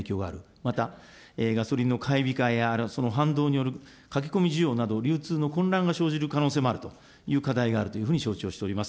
また、ガソリンの買い控えや、その反動による駆け込み需要など、流通の混乱が生じる可能性もあるという課題があるというふうに承知をしております。